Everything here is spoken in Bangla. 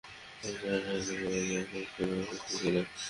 রিচার্ড হ্যারিস এবং জ্যাক হিউস্টন অনুপস্থিত ছিলেন।